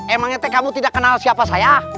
emangnya kamu tidak kenal siapa saya